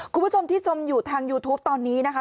คุณผู้ชมที่ชมอยู่ทางยูทูปตอนนี้นะคะ